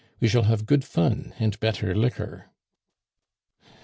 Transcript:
We shall have good fun and better liquor."